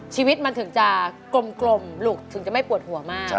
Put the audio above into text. ชีวิตมันถึงจะกลมลูกถึงจะไม่ปวดหัวมาก